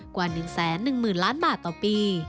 กว่า๑แสน๑หมื่นล้านบาทต่อปี